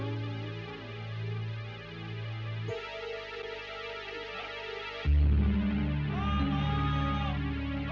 oh itu orangnya